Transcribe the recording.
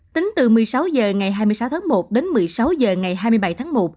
tính từ một mươi sáu h ngày hai mươi sáu tháng một đến một mươi sáu h ngày hai mươi bảy tháng một